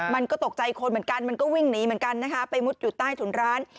มันก็ตกใจคนเหมือนกันมันก็วิ่งหนีเหมือนกันนะคะไปมุดอยู่ใต้ถุนร้าน